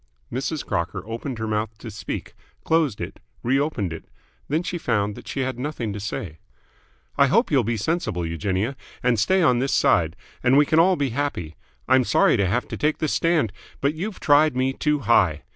Mrs. Crocker opened her mouth to speak, closed it, re opened it. Then she found that she had nothing to say. "I hope you'll be sensible, Eugenia, and stay on this side, and we can all be happy. I'm sorry to have to take this stand, but you tried me too high.